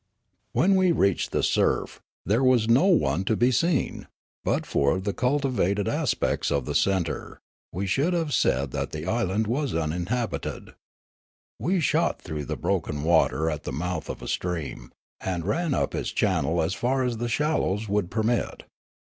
When we reached the surf, there was no one to be seen ; but for the cultivated aspects of the centre, we should have said that the island was uninhabited. We shot through the broken water at the mouth of a stream, and ran up its channel as far as the shallows would permit.